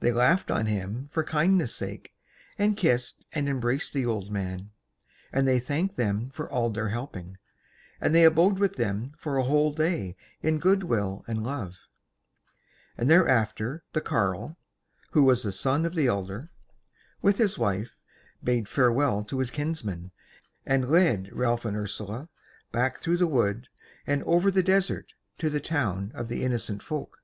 They laughed on him for kindness' sake, and kissed and embraced the old man, and they thanked them all for their helping, and they abode with them for a whole day in good will and love, and thereafter the carle, who was the son of the Elder, with his wife, bade farewell to his kinsmen, and led Ralph and Ursula back through the wood and over the desert to the town of the Innocent Folk.